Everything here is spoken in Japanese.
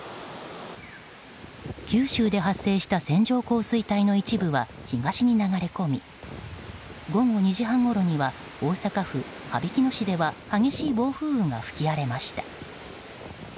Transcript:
九州で発生した線状降水帯の一部は東に流れ込み午後２時半ごろには大阪府羽曳野市では激しい暴風雨が吹き荒れました。